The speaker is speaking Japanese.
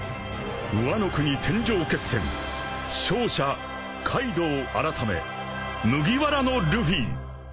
［ワノ国天上決戦勝者カイドウ改め麦わらのルフィ！］